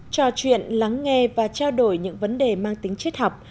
trò chuyện lắng nghe và trao đổi những vấn đề mang tính triết học